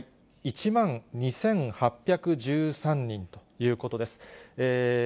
１万２８１３人ということです。